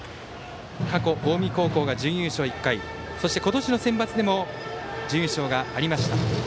過去、近江高校が準優勝１回今年のセンバツでも準優勝がありました。